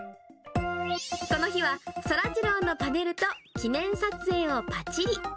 この日はそらジローのパネルと記念撮影をぱちり。